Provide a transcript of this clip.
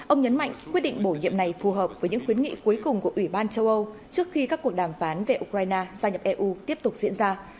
ông nhấn mạnh quyết định bổ nhiệm này phù hợp với những khuyến nghị cuối cùng của ủy ban châu âu trước khi các cuộc đàm phán về ukraine gia nhập eu tiếp tục diễn ra